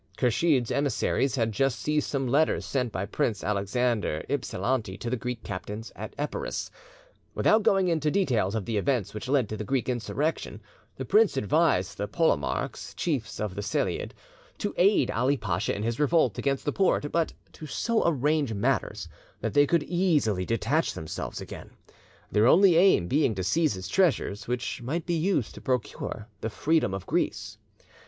Kursheed's emissaries had just seized some letters sent by Prince Alexander Ypsilanti to the Greek captains at Epirus. Without going into details of the events which led to the Greek insurrection, the prince advised the Polemarchs, chiefs of the Selleid, to aid Ali Pacha in his revolt against the Porte, but to so arrange matters that they could easily detach themselves again, their only aim being to seize his treasures, which might be used to procure the freedom of Greece.